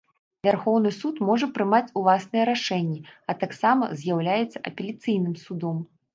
Вярхоўны суд можа прымаць уласныя рашэнні, а таксама з'яўляецца апеляцыйным судом.